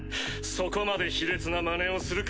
そこまで卑劣なまねをするか。